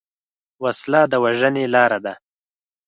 وسله د وژنې لاره ده